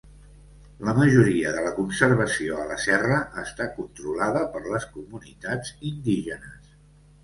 La majoria de la conservació a la serra està controlada per les comunitats indígenes.